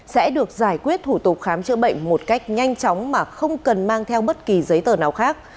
sẽ được giải quyết thủ tục khám chữa bệnh một cách nhanh chóng mà không cần mang theo bất kỳ giấy tờ nào khác